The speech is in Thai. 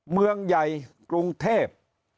เมืองใหญ่กรุงเทพ